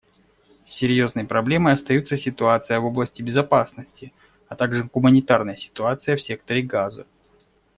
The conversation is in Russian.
Серьезной проблемой остаются ситуация в области безопасности, а также гуманитарная ситуация в секторе Газа.